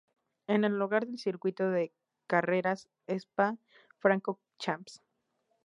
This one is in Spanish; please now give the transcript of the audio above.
Es el hogar del circuito de carreras Spa-Francorchamps.